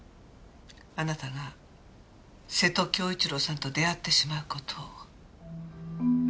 あなたが瀬戸恭一郎さんと出会ってしまう事を。